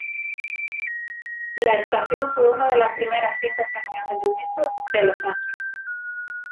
La estación fue una de las primeras cinco estaciones del Metro de Los Ángeles.